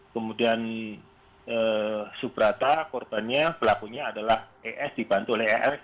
kemudian subrata korbannya pelakunya adalah es dibantu oleh es